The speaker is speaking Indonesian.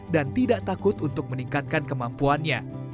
dan tidak takut untuk meningkatkan kemampuannya